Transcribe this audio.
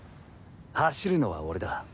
走るのは俺だ